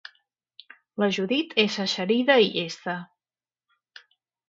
La Judit és eixerida i llesta.